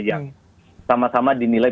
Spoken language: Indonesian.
yang sama sama dinilai